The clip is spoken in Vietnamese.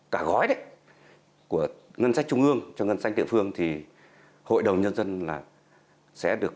cả gói đấy của ngân sách trung ương cho ngân sách địa phương thì hội đồng nhân dân là sẽ được